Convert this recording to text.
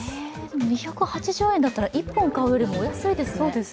２８０円だったら、１本買うよりお安いですね。